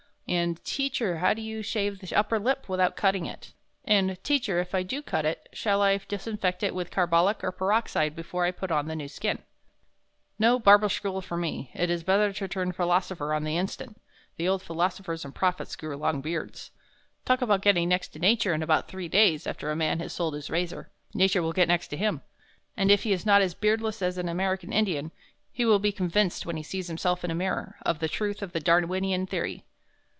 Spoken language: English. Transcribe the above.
and, 'Teacher, how do you shave the upper lip without cutting it?' and, 'Teacher, if I do cut it, shall I disinfect it with carbolic or peroxide before I put on the new skin?' No Barbers' School for me. It is better to turn philosopher on the instant the old philosophers and prophets grew long beards.... Talk about getting next to Nature in about three days after a man has sold his razor, Nature will get next to him, and if he is not as beardless as an American Indian, he will be convinced when he sees himself in a mirror, of the truth of the Darwinian theory."